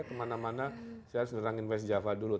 kemana mana saya harus nerangin west java dulu